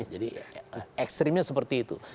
jadi ekstrimnya seperti itu